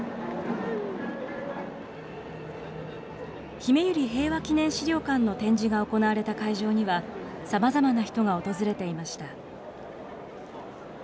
ひめゆり平和祈念資料館の展示が行われた会場には、さまざまな人が訪れていました。